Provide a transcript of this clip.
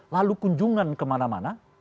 lalu kunjungan kemana mana